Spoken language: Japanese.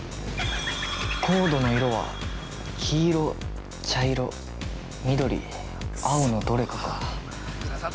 コードの色は黄色、茶色、緑、青のどれかか。